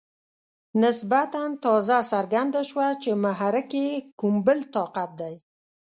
نسبتاً تازه څرګنده شوه چې محرک یې کوم بل طاقت دی.